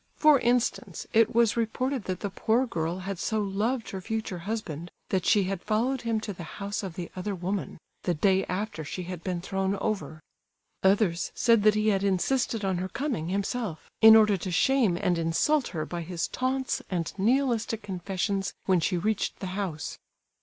For instance, it was reported that the poor girl had so loved her future husband that she had followed him to the house of the other woman, the day after she had been thrown over; others said that he had insisted on her coming, himself, in order to shame and insult her by his taunts and Nihilistic confessions when she reached the house.